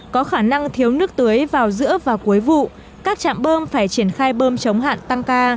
có khả năng thiếu nước tưới vào giữa và cuối vụ các trạm bơm phải triển khai bơm chống hạn tăng ca